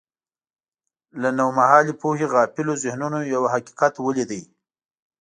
له نومهالې پوهې غافلو ذهنونو یو حقیقت ولید.